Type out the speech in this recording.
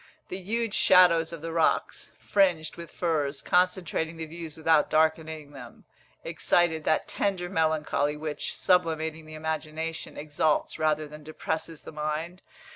The huge shadows of the rocks, fringed with firs, concentrating the views without darkening them, excited that tender melancholy which, sublimating the imagination, exalts rather than depresses the mind.